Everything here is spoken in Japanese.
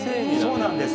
そうなんです。